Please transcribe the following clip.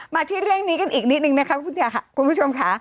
มาคิดเรื่องนี้กันอีกนิดนึงนะครับลูกภูมิคุณผู้ชมค่ะ